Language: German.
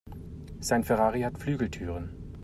Sein Ferrari hat Flügeltüren.